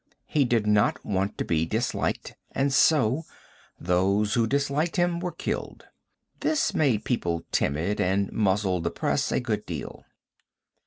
He did not want to be disliked and so, those who disliked him were killed. This made people timid and muzzled the press a good deal.